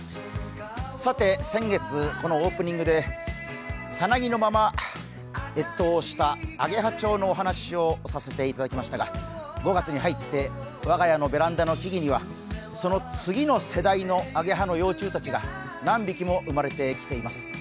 さて、先月、このオープニングでさなぎのまま越冬したアゲハチョウのお話をさせていただきましたが５月に入って我が家のベランダの木々には、その次の世代のアゲハの幼虫が何匹も生まれてきています。